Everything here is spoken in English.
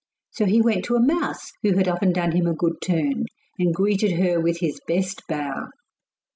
So he went to a mouse who had often done him a good turn, and greeted her with his best bow.